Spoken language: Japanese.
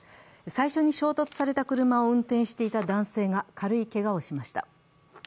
最初に衝突された車を運転していた男性が軽いけがをしました。